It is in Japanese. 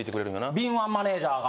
敏腕マネージャーが。